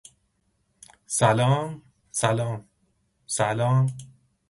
Tyrone runs out, embarrassed.